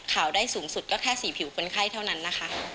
ได้สูงสุดก็แค่๔ผิวคนไข้เท่านั้นนะคะ